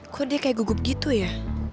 kok dia kayak gugup gitu ya